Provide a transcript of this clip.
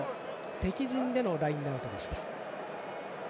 敵陣でのラインアウトでした。